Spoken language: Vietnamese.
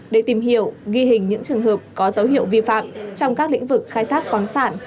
để tìm hiểu ghi hình những trường hợp có dấu hiệu vi phạm trong các lĩnh vực khai thác khoáng sản